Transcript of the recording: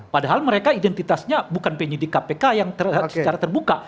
padahal mereka identitasnya bukan penyidik kpk yang secara terbuka